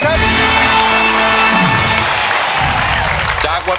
โปรดติดตามต่อไป